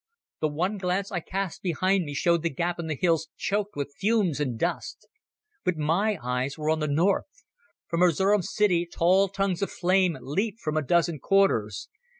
The one glance I cast behind me showed the gap in the hills choked with fumes and dust. But my eyes were on the north. From Erzerum city tall tongues of flame leaped from a dozen quarters.